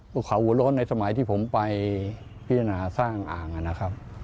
บุคเขาอุโรธในสมัยที่ผมไปพิจารณาสร้างอ่างน่ะครับ